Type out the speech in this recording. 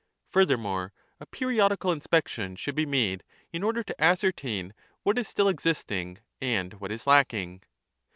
Furthermore, a periodical inspection should be made, in order to ascertain what is still existing and what is lacking.